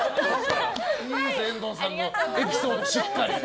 いいです遠藤さんのエピソード、しっかり。